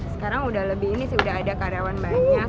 sekarang udah lebih ini sih udah ada karyawan banyak